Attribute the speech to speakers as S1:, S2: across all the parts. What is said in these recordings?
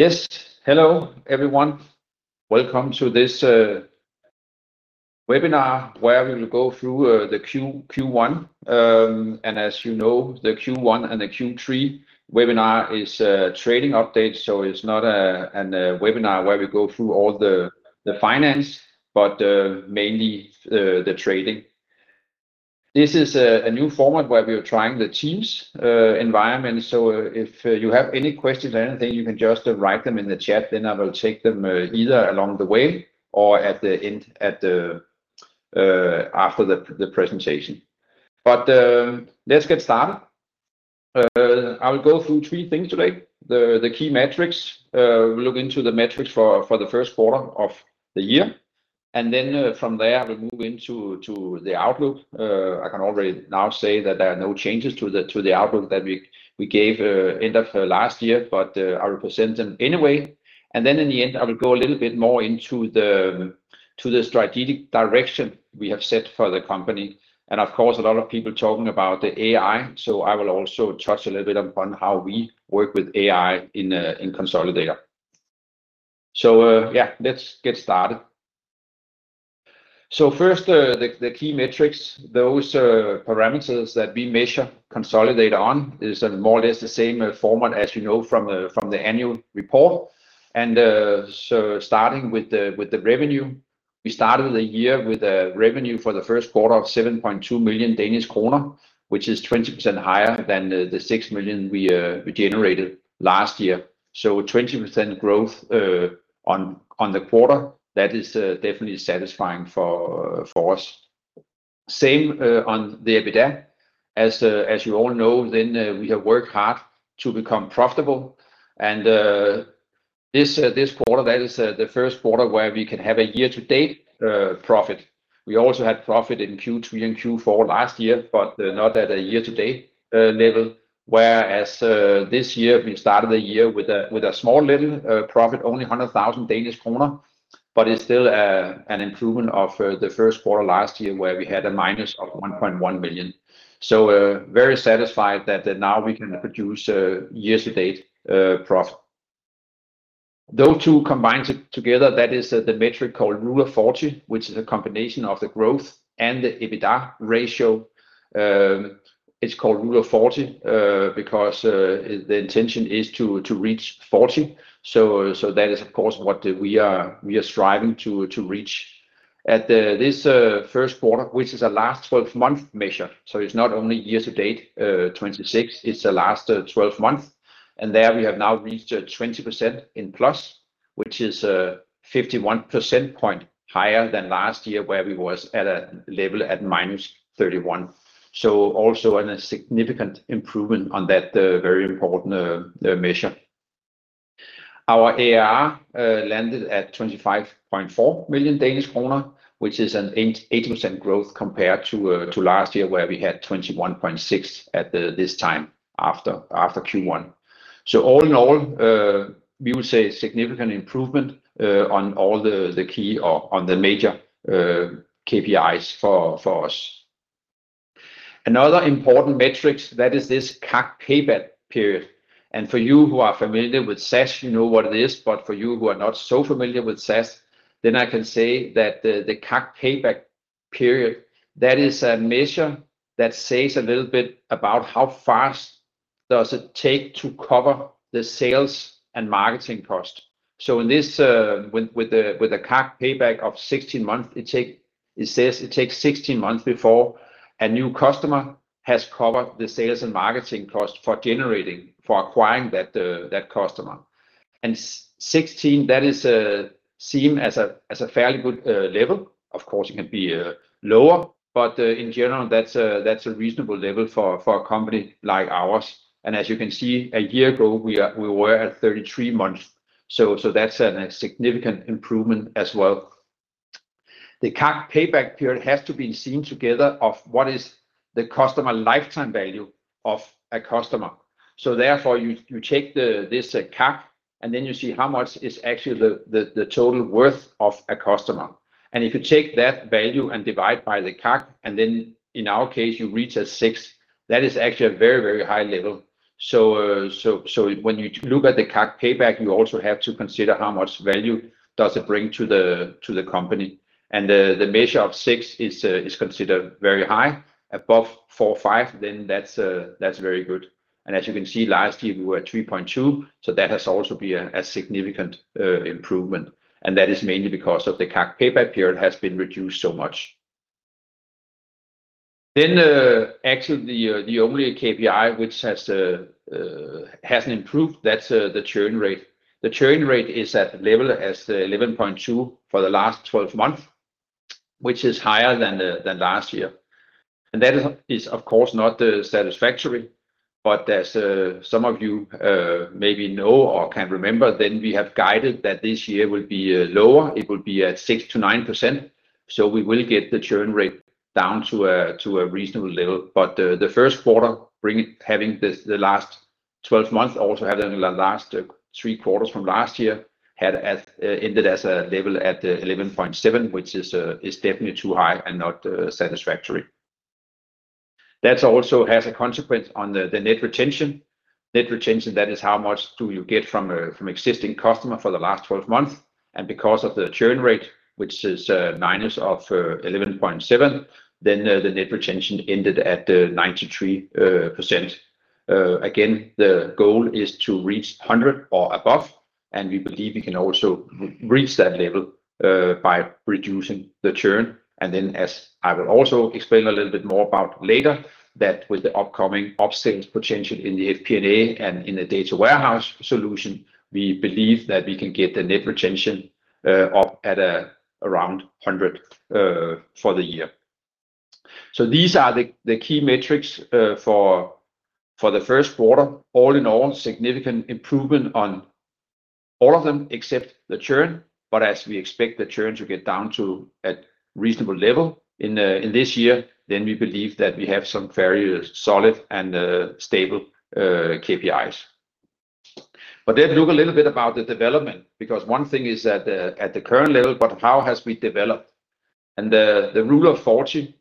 S1: Yes. Hello, everyone. Welcome to this webinar where we will go through the Q1. As you know, the Q1 and the Q3 webinar is a trading update, so it's not an webinar where we go through all the finance, but mainly the trading. This is a new format where we are trying the teams environment. If you have any questions or anything, you can just write them in the chat, then I will take them either along the way or at the end, after the presentation. Let's get started. I will go through three things today. The key metrics, we'll look into the metrics for the first quarter of the year, from there we'll move into the outlook. I can already now say that there are no changes to the, to the outlook that we gave, end of last year, but I will present them anyway. Then in the end, I will go a little bit more into the, to the strategic direction we have set for the company. Of course, a lot of people talking about the AI, so I will also touch a little bit upon how we work with AI in Konsolidator. Yeah, let's get started. First, the key metrics, those parameters that we measure Konsolidator on is more or less the same format as you know from the annual report. Starting with the revenue, we started the year with a revenue for the first quarter of 7.2 million Danish kroner, which is 20% higher than the 6 million we generated last year. 20% growth on the quarter, that is definitely satisfying for us. Same on the EBITDA. As you all know, we have worked hard to become profitable. This quarter, that is the first quarter where we can have a year-to-date profit. We also had profit in Q3 and Q4 last year, but not at a year-to-date level. This year, we started the year with a small little profit, only 100,000 Danish kroner, but it's still an improvement of the first quarter last year where we had a minus of 1.1 million. Very satisfied that now we can produce a year-to-date profit. Those two combined together, that is the metric called Rule of 40, which is a combination of the growth and the EBITDA ratio. It's called Rule of 40 because the intention is to reach 40. That is of course what we are striving to reach. This 1st quarter, which is a last 12-month measure, so it is not only year-to-date 2026, it is the last 12 month, and there we have now reached a 20% in plus, which is a 51 percentage points higher than last year, where we were at a level at minus 31%. Also a significant improvement on that very important measure. Our ARR landed at 25.4 million Danish kroner, which is an 80% growth compared to last year where we had 21.6 million at this time after Q1. All in all, we will say significant improvement on all the key or on the major KPIs for us. Another important metrics, that is this CAC payback period. For you who are familiar with SaaS, you know what it is, but for you who are not so familiar with SaaS, I can say that the CAC payback period, that is a measure that says a little bit about how fast does it take to cover the sales and marketing cost. In this, with the CAC payback of 16 months, it says it takes 16 months before a new customer has covered the sales and marketing cost for generating, for acquiring that customer. 16 months, that is seem as a fairly good level. Of course, it can be lower, in general that's a reasonable level for a company like ours. As you can see, a year ago, we were at 33 months. That's a significant improvement as well. The CAC payback period has to be seen together of what is the Customer Lifetime Value of a customer. You take this CAC, and then you see how much is actually the total worth of a customer. If you take that value and divide by the CAC, and then in our case you reach a 6, that is actually a very high level. When you look at the CAC payback, you also have to consider how much value does it bring to the company. The measure of six is considered very high. Above four or five, that's very good. As you can see, last year we were at 3.2, that has also been a significant improvement, and that is mainly because of the CAC payback period has been reduced so much. Actually the only KPI which hasn't improved, that's the churn rate. The churn rate is at level as 11.2 for the last 12 months, which is higher than last year. That is of course not satisfactory, but as some of you maybe know or can remember, we have guided that this year will be lower. It will be at 6%-9%, we will get the churn rate down to a reasonable level. The first quarter having this, the last 12 months, also having the last three quarters from last year had ended as a level at 11.7, which is definitely too high and not satisfactory. That also has a consequence on the Net Retention. Net Retention, that is how much do you get from existing customer for the last 12 months, and because of the churn rate, which is minus of 11.7, then the Net Retention ended at 93%. Again, the goal is to reach 100 or above, and we believe we can also reach that level by reducing the churn and then as I will also explain a little bit more about later, that with the upcoming up-sales potential in the FP&A and in the data warehouse solution, we believe that we can get the Net Retention up at around 100 for the year. These are the key metrics for the first quarter. All in all, significant improvement on all of them except the churn. As we expect the churn to get down to a reasonable level in this year, we believe that we have some very solid and stable KPIs. Look a little bit about the development, because one thing is at the, at the current level, but how has we developed? The Rule of 40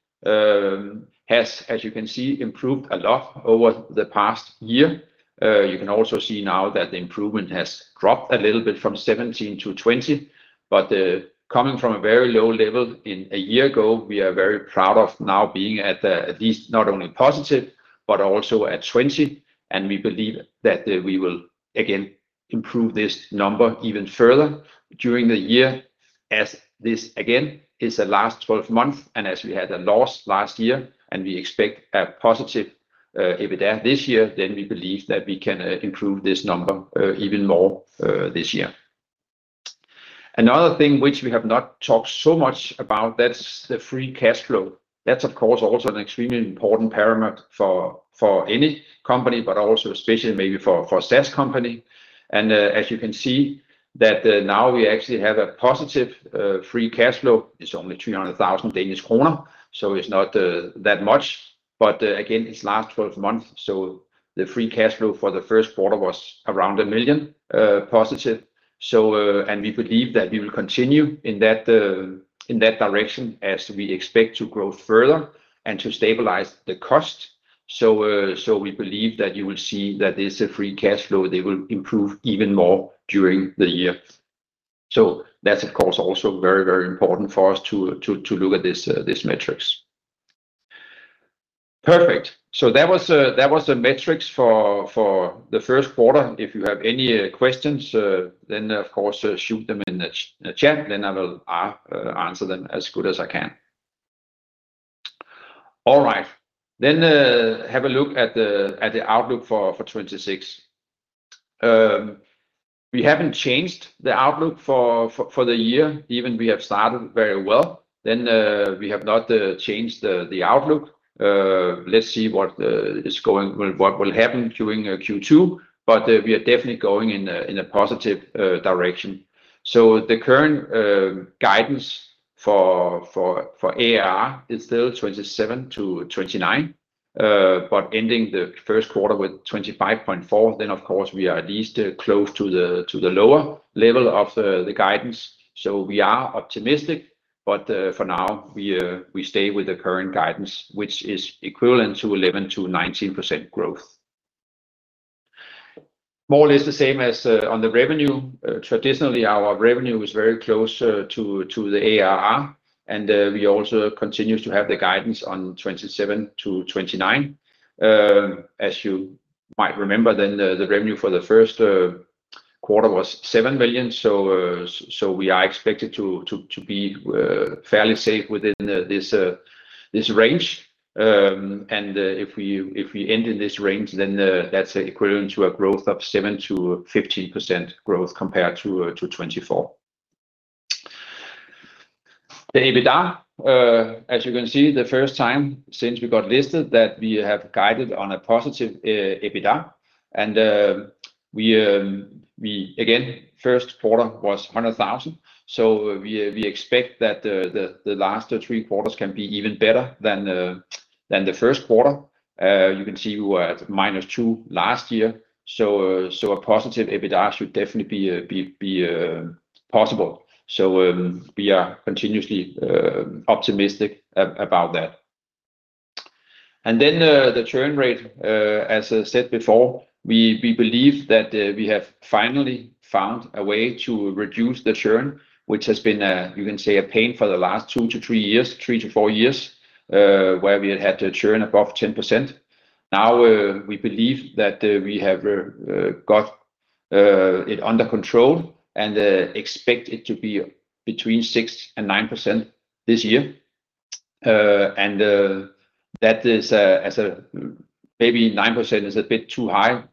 S1: has, as you can see, improved a lot over the past year. You can also see now that the improvement has dropped a little bit from 17% to 20%, but coming from a very low level in a year ago, we are very proud of now being at least not only positive, but also at 20%, and we believe that we will again improve this number even further during the year as this again is the last 12 months, and as we had a loss last year, and we expect a positive EBITDA this year, then we believe that we can improve this number even more this year. Another thing which we have not talked so much about, that's the Free Cash Flow. That's of course also an extremely important parameter for any company, but also especially maybe for a SaaS company. As you can see that, now we actually have a positive Free Cash Flow. It's only 300,000 Danish kroner, so it's not that much but, again, it's last 12 months, so the free cash flow for the first quarter was around 1 million positive. And we believe that we will continue in that direction as we expect to grow further and to stabilize the cost. So we believe that you will see that this Free Cash Flow, they will improve even more during the year. That's of course also very, very important for us to look at this metrics. Perfect. That was the metrics for the first quarter. If you have any questions, then of course, shoot them in the chat, then I will answer them as good as I can. All right. Have a look at the outlook for 2026. We haven't changed the outlook for the year. Even we have started very well, then we have not changed the outlook. Let's see what will happen during Q2, but we are definitely going in a positive direction. The current guidance for ARR is still 27 to 29, but ending the first quarter with 25.4, then of course we are at least close to the lower level of the guidance. We are optimistic, but for now we stay with the current guidance which is equivalent to 11%-19% growth. More or less the same as on the revenue. Traditionally our revenue is very close to the ARR, we also continue to have the guidance on 27 to 29. As you might remember then, the revenue for the first quarter was 7 million, so we are expected to be fairly safe within this range. If we, if we end in this range then, that's equivalent to a growth of 7%-15% growth compared to 2024. The EBITDA, as you can see the first time since we got listed that we have guided on a positive EBITDA, we Again, first quarter was 100,000, we expect that the last three quarters can be even better than the first quarter. You can see we were at -2 last year, a positive EBITDA should definitely be possible. We are continuously optimistic about that. The churn rate, as I said before, we believe that we have finally found a way to reduce the churn, which has been, you can say a pain for the last two-three years, three-four years, where we had a churn above 10%. We believe that we have got it under control and expect it to be between 6% and 9% this year. That is, maybe 9% is a bit too high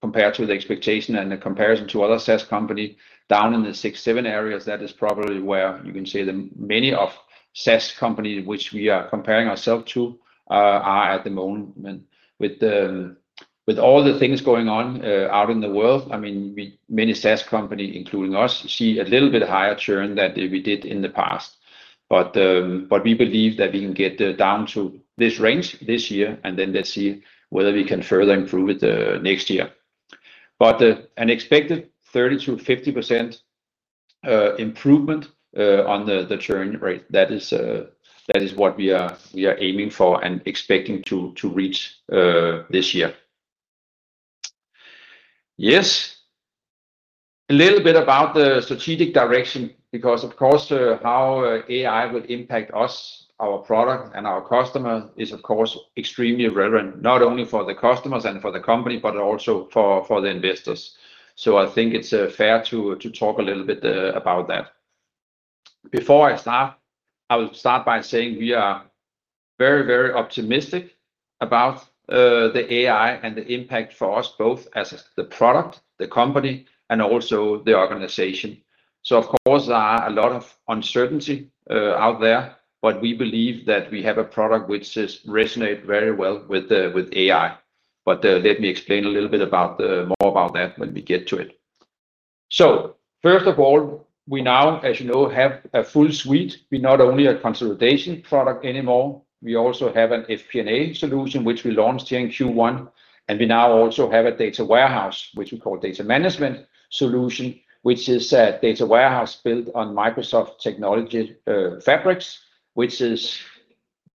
S1: compared to the expectation and the comparison to other SaaS company. Down in the six, seven areas, that is probably where you can say many of SaaS company which we are comparing ourself to are at the moment. With all the things going on out in the world, many SaaS company, including us, see a little bit higher churn than we did in the past. We believe that we can get down to this range this year, and then let's see whether we can further improve it next year. An expected 30%-50% improvement on the churn rate, that is what we are aiming for and expecting to reach this year. Yes. A little bit about the strategic direction, because of course, how AI will impact us, our product and our customer is of course extremely relevant, not only for the customers and for the company, but also for the investors. I think it's fair to talk a little bit about that. Before I start, I will start by saying we are very, very optimistic about the AI and the impact for us both as the product, the company and also the organization. Of course, there are a lot of uncertainty out there, but we believe that we have a product which is resonate very well with AI. Let me explain a little bit more about that when we get to it. First of all, we now, as you know, have a full suite. We're not only a consolidation product anymore, we also have an FP&A solution which we launched here in Q1. We now also have a data warehouse, which we call data management solution, which is a data warehouse built on Microsoft technology, Fabric, which is,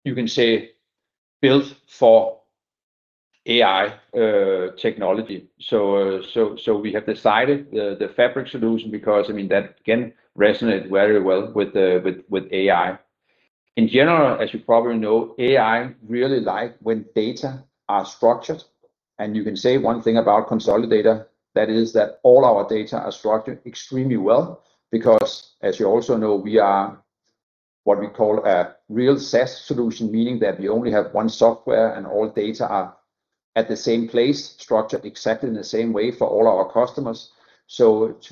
S1: you can say, built for AI technology. We have decided the Fabric solution because, I mean, that again resonate very well with AI. In general, as you probably know, AI really like when data are structured, and you can say one thing about Konsolidator, that is that all our data are structured extremely well because as you also know, we are what we call a real SaaS solution, meaning that we only have one software and all data are at the same place, structured exactly in the same way for all our customers. It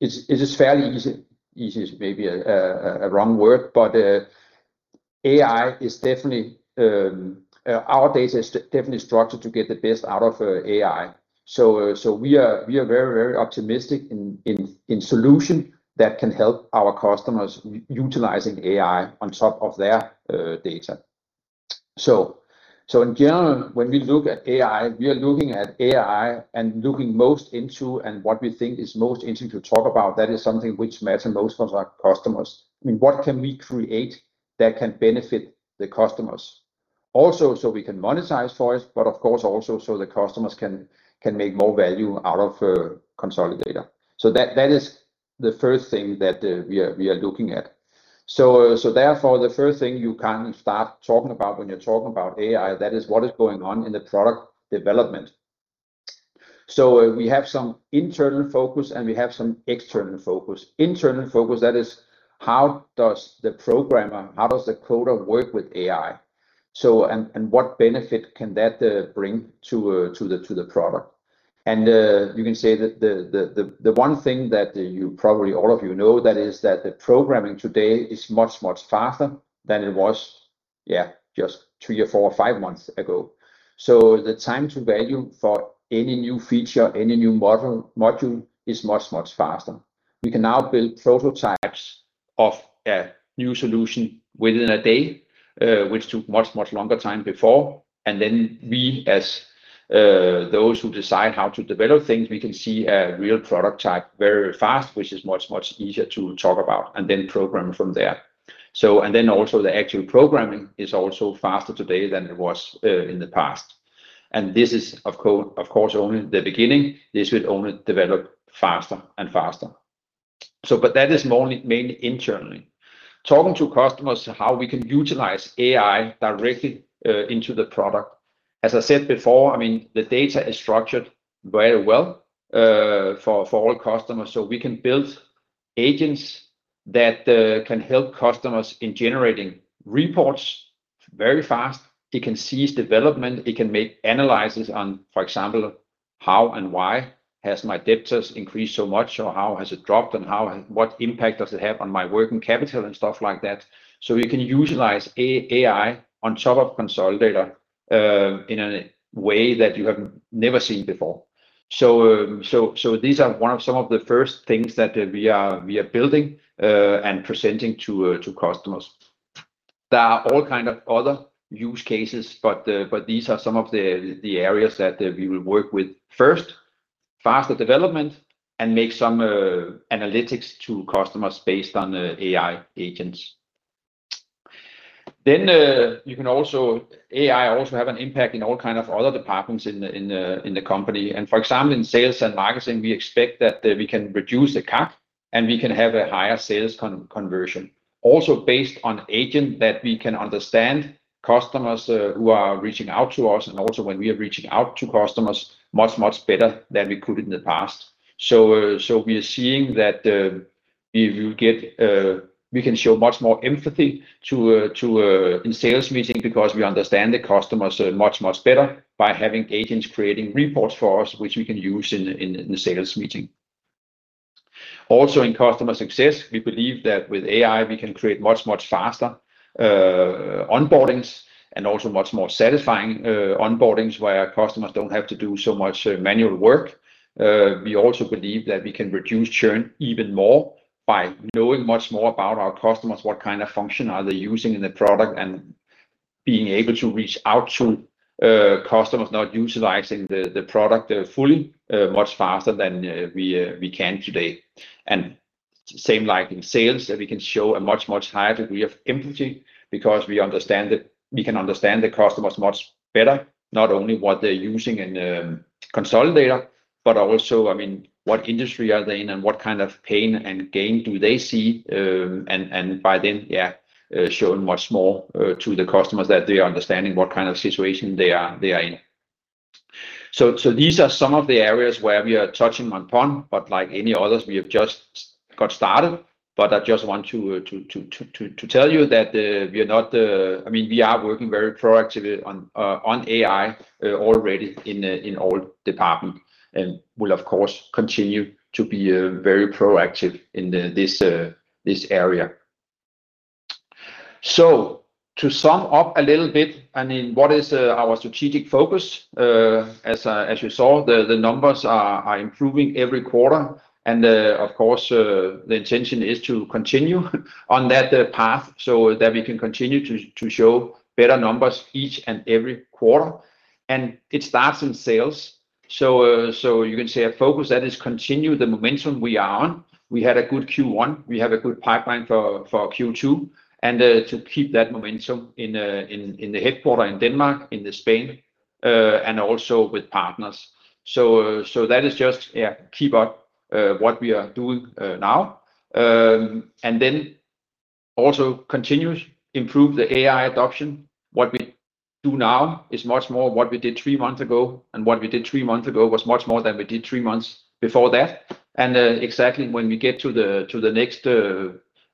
S1: is fairly easy. Easy is maybe a wrong word, but AI is definitely, our data is definitely structured to get the best out of AI. We are very optimistic in solution that can help our customers utilizing AI on top of their data. In general, when we look at AI, we are looking at AI and looking most into and what we think is most interesting to talk about, that is something which matters most for our customers. I mean, what can we create that can benefit the customers? Also so we can monetize for it, but of course also so the customers can make more value out of Konsolidator. That is the first thing that we are looking at. Therefore the first thing you can start talking about when you're talking about AI, that is what is going on in the product development. We have some internal focus and we have some external focus. Internal focus, that is how does the programmer, how does the coder work with AI? What benefit can that bring to the product? You can say that the one thing that you probably all of you know that is that the programming today is much, much faster than it was, yeah, just three or four or five months ago. The time to value for any new feature, any new model, module is much, much faster. We can now build prototypes of a new solution within a day, which took much, much longer time before. We as those who decide how to develop things, we can see a real prototype very fast, which is much easier to talk about and then program from there. Also the actual programming is also faster today than it was in the past. This is of course, only the beginning. This will only develop faster and faster. That is only mainly internally. Talking to customers how we can utilize AI directly into the product. As I said before, I mean the data is structured very well for all customers. We can build agents that can help customers in generating reports very fast. It can seize development. It can make analysis on, for example, how and why has my debtors increased so much, or how has it dropped and how and what impact does it have on my working capital and stuff like that. You can utilize AI on top of Konsolidator in a way that you have never seen before. These are one of some of the first things that we are building and presenting to customers. There are all kind of other use cases, but these are some of the areas that we will work with first, faster development and make some analytics to customers based on the AI agents. AI also have an impact in all kind of other departments in the company. For example, in sales and marketing we expect that we can reduce the CAC and we can have a higher sales conversion. Also based on agent that we can understand customers who are reaching out to us and also when we are reaching out to customers much, much better than we could in the past. We are seeing that we can show much more empathy in sales meeting because we understand the customers much, much better by having agents creating reports for us, which we can use in the sales meeting. In customer success, we believe that with AI we can create much, much faster onboardings and also much more satisfying onboardings where customers don't have to do so much manual work. We also believe that we can reduce churn even more by knowing much more about our customers, what kind of function they are using in the product, and being able to reach out to customers not utilizing the product fully much faster than we can today. Same like in sales, that we can show a much, much higher degree of empathy because we can understand the customers much better, not only what they're using in the Konsolidator, but also, I mean, what industry are they in and what kind of pain and gain do they see, and by then, yeah, showing much more to the customers that they are understanding what kind of situation they are in. These are some of the areas where we are touching upon, but like any others, we have just got started. I just want to tell you that we are not. I mean, we are working very proactively on AI, already in all department and will, of course, continue to be very proactive in this area. To sum up a little bit, I mean, what is our strategic focus? As you saw, the numbers are improving every quarter and, of course, the intention is to continue on that path so that we can continue to show better numbers each and every quarter. It starts in sales. You can say a focus that is continue the momentum we are on. We had a good Q1, we have a good pipeline for Q2, and to keep that momentum in the headquarter in Denmark, in the Spain, and also with partners. That is just keep up what we are doing now. Then also continuous improve the AI adoption. What we do now is much more what we did three months ago, and what we did three months ago was much more than we did three months before that. Exactly when we get to the next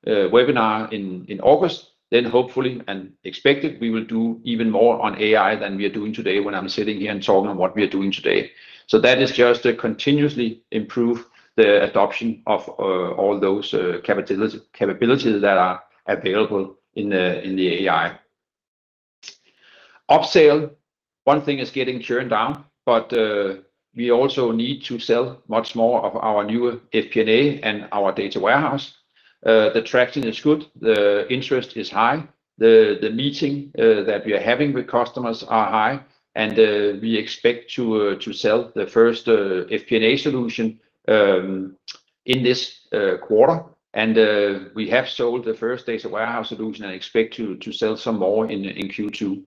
S1: webinar in August, then hopefully and expected we will do even more on AI than we are doing today when I'm sitting here and talking on what we are doing today. That is just to continuously improve the adoption of all those capabilities that are available in the AI. Up sale, one thing is getting churn down, we also need to sell much more of our newer FP&A and our data warehouse. The traction is good, the interest is high. The meeting that we are having with customers are high, we expect to sell the first FP&A solution in this quarter. We have sold the first data warehouse solution and expect to sell some more in Q2.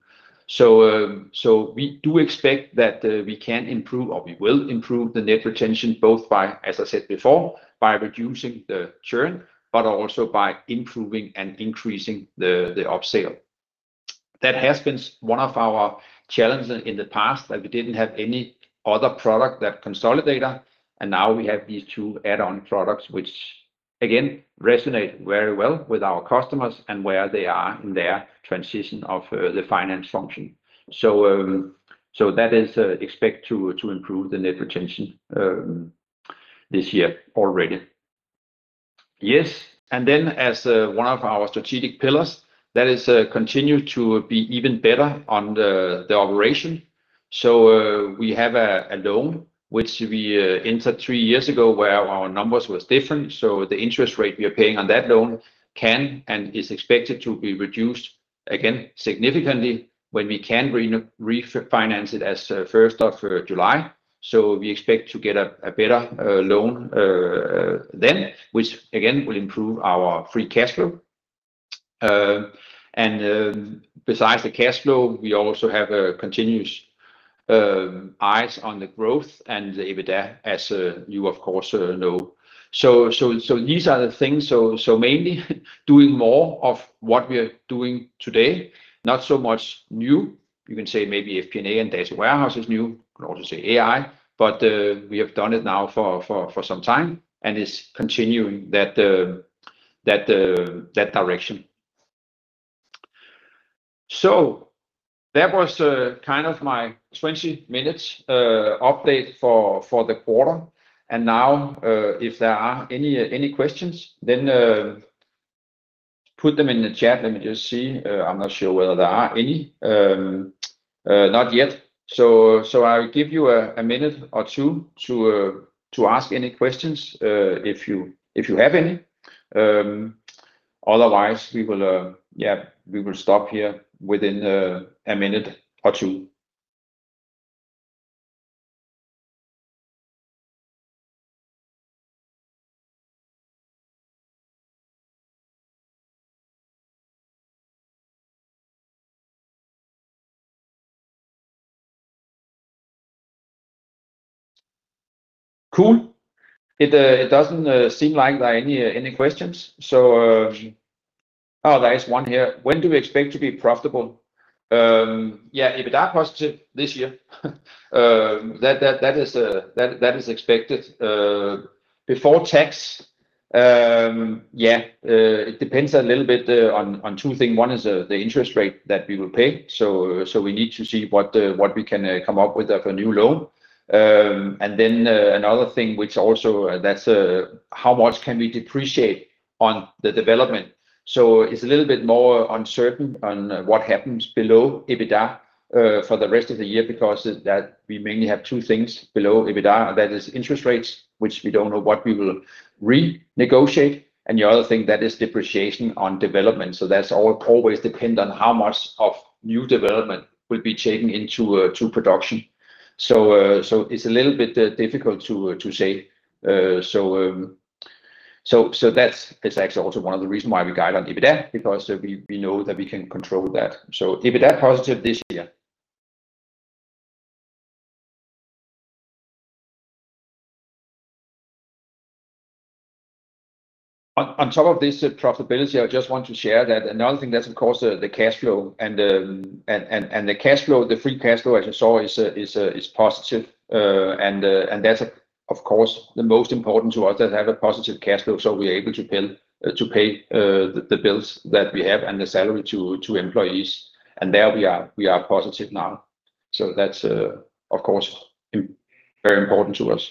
S1: We do expect that we can improve or we will improve the Net Retention both by, as I said before, by reducing the churn, but also by improving and increasing the up sale. That has been one of our challenges in the past, that we didn't have any other product than Konsolidator, and now we have these two add-on products which again resonate very well with our customers and where they are in their transition of the finance function. That is expected to improve the Net Retention this year already. Yes. As one of our strategic pillars, that is to continue to be even better on the operation. We have a loan which we entered three years ago where our numbers was different. The interest rate we are paying on that loan can and is expected to be reduced again significantly when we can refinance it as of first of July. We expect to get a better loan then, which again will improve our Free Cash Flow. Besides the cash flow, we also have a continuous eyes on the growth and the EBITDA as you of course know. These are the things. So mainly doing more of what we are doing today, not so much new. You can say maybe FP&A and data warehouse is new. You can also say AI, but we have done it now for some time and is continuing that direction. That was kind of my 20 minutes update for the quarter. Now, if there are any questions, put them in the chat. Let me just see. I'm not sure whether there are any. Not yet. So I'll give you a minute or two to ask any questions if you have any. Otherwise we will, yeah, we will stop here within a minute or two. Cool. It doesn't seem like there are any questions. There is one here. When do we expect to be profitable? Yeah, EBITDA positive this year. That is expected before tax. Yeah, it depends a little bit on two things. One is the interest rate that we will pay. We need to see what we can come up with for new loans. Another thing which also, that's how much can we depreciate on the development. It's a little bit more uncertain on what happens below EBITDA for the rest of the year because that we mainly have two things below EBITDA. That is interest rates, which we don't know what we will renegotiate, and the other thing, that is depreciation on development. That's always depend on how much of new development will be taken into, to production. It's a little bit difficult to say. That's actually also one of the reason why we guide on EBITDA, because we know that we can control that. EBITDA positive this year. On top of this profitability, I just want to share that another thing that's of course, the cash flow and the cash flow, the Free Cash Flow as you saw is positive. That's of course the most important to us that have a positive cash flow so we are able to pay the bills that we have and the salary to employees. There we are, we are positive now. That's of course very important to us.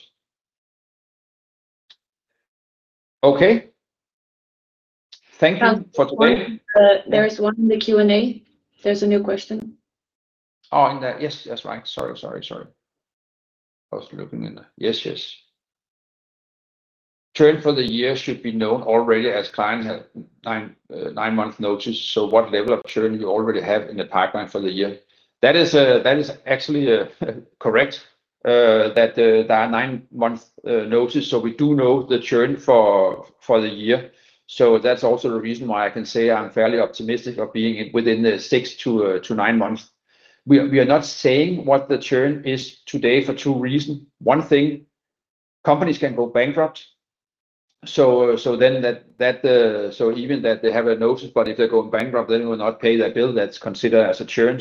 S1: Okay. Thank you for today.
S2: There is one in the Q&A. There's a new question.
S1: Oh, Yes, that's right. Sorry. I was looking in the Yes. Churn for the year should be known already as client had nine-month notice. What level of churn you already have in the pipeline for the year? That is actually correct, that there are nine-month notice. We do know the churn for the year. That's also the reason why I can say I'm fairly optimistic of being within the 6 to 9 months. We are not saying what the churn is today for two reasons. One thing, companies can go bankrupt. Even that they have a notice, but if they go bankrupt, they will not pay their bill. That's considered as a churn.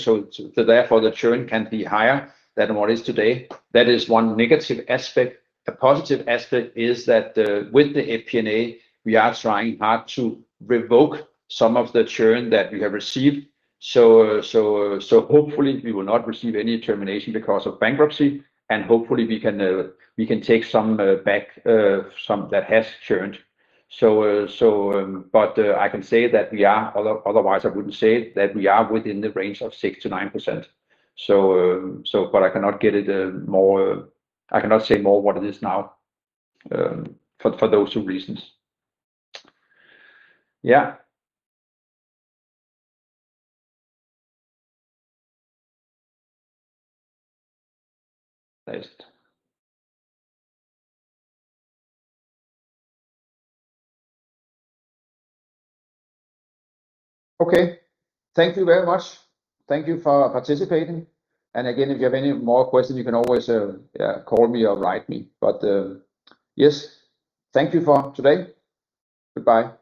S1: Therefore, the churn can be higher than what is today. That is one negative aspect. A positive aspect is that with the FP&A, we are trying hard to revoke some of the churn that we have received. Hopefully we will not receive any termination because of bankruptcy, and hopefully we can take some back, some that has churned. I can say that we are otherwise I wouldn't say it, that we are within the range of 6%-9%. I cannot get it, more. I cannot say more what it is now, for those two reasons. Okay. Thank you very much. Thank you for participating. Again, if you have any more questions, you can always, yeah, call me or write me. Yes, thank you for today. Goodbye.